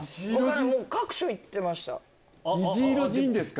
各所行ってました。